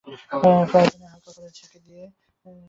Fry প্যানে হালকা করে সেঁকে নিয়ে সাজিয়ে পরিবেশন করুন ব্রেড পিৎজা।